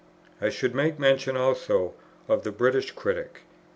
I should make mention also of the British Critic.